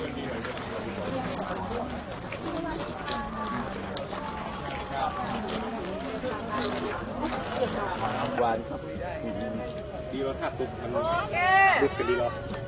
อีกสิ่งที่คุณอาจออกให้ดูคือเราเกี่ยวพอที่มีสีตาเยอะโดนกระทั่งขึ้นมาแล้ว